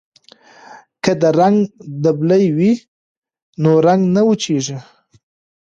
که د رنګ ډبلي وي نو رنګ نه وچیږي.